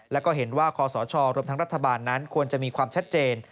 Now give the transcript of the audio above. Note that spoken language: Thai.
และก็เห็นว่าคสชรรนั้นควรจะมีความแช็ดเจน